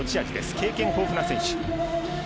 経験豊富な選手。